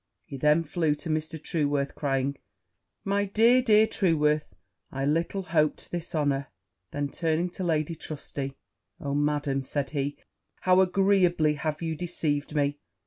He then flew to Mr. Trueworth, crying, 'My dear, dear Trueworth! I little hoped this honour!' Then, turning to Lady Trusty, 'Oh, Madam!' said he, 'how agreeably have you deceived me!'